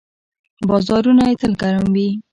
بازارونه یې تل ګرم وي.